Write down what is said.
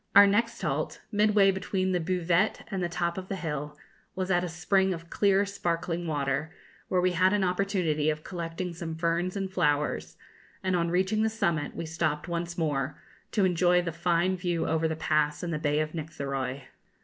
Our next halt, midway between the buvette and the top of the hill, was at a spring of clear sparkling water, where we had an opportunity of collecting some ferns and flowers; and on reaching the summit we stopped once more, to enjoy the fine view over the Pass and the bay of Nictheroy.